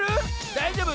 ⁉だいじょうぶ？